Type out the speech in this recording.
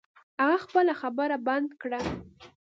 هغه خپله خبره بند کړه.